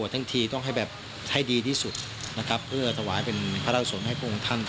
ทั้งทีต้องให้แบบให้ดีที่สุดนะครับเพื่อถวายเป็นพระราชสนให้พระองค์ท่าน